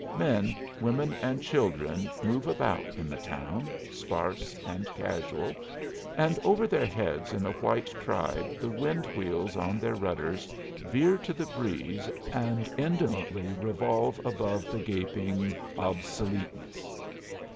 Men, women, and children move about in the town, sparse and casual, and over their heads in a white tribe the wind wheels on their rudders veer to the breeze and indolently revolve above the gaping obsoleteness.